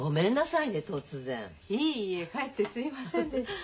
いいえかえってすいませんでした。